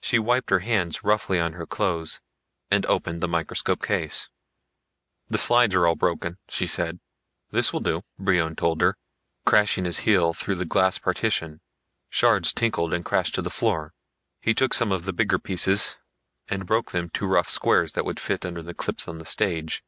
She wiped her hands roughly on her clothes and opened the microscope case. "The slides are all broken," she said. "This will do," Brion told her, crashing his heel through the glass partition. Shards tinkled and crashed to the floor. He took some of the bigger pieces and broke them to rough squares that would fit under the clips on the stage.